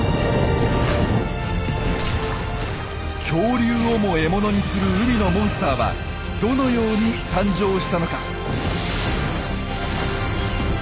恐竜をも獲物にする海のモンスターはどのように誕生したのか？